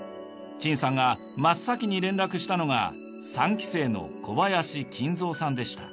陳さんが真っ先に連絡したのが３期生の小林金三さんでした。